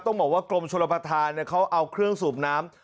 ต้องบอกว่ากรมชลประธานเขาเอาเครื่องสูบน้ำ